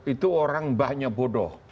itu orang banyak bodoh